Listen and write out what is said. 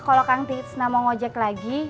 kalau kang tis gak mau ngojek lagi